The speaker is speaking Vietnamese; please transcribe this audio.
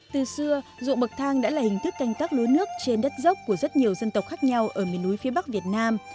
từ xưa ruộng bậc thang đã là hình thức canh tác lúa nước trên đất dốc của rất nhiều dân tộc khác nhau ở miền núi phía bắc việt nam